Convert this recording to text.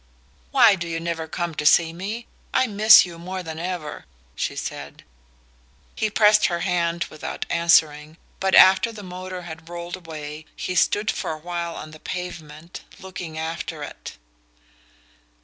"Why do you never come to see me? I miss you more than ever," she said. He pressed her hand without answering, but after the motor had rolled away he stood for a while on the pavement, looking after it.